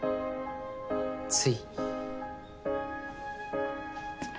つい。